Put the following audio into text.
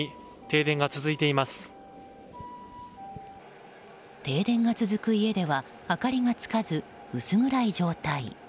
停電が続く家では明かりがつかず薄暗い状態。